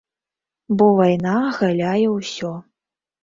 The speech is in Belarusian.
Бо вайна агаляе ўсё.